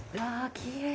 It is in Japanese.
きれい。